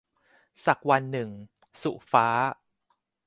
สักวันหนึ่ง - สุฟ้า